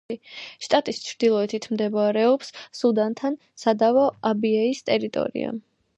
შტატის ჩრდილოეთით მდებარეობს სუდანთან სადავო აბიეის ტერიტორია.